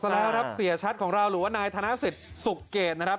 แล้วครับเสียชัดของเราหรือว่านายธนสิทธิ์สุขเกตนะครับ